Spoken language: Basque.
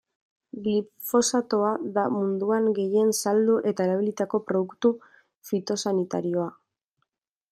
Glifosatoa da munduan gehien saldu eta erabilitako produktu fitosanitarioa.